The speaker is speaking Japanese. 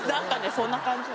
そんな感じよ。